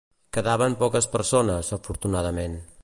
Quedaven poques persones, afortunadament.